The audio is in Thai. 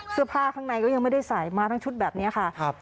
เสื้อผ้าข้างในก็ยังไม่ได้ใส่มาทั้งชุดแบบนี้ค่ะ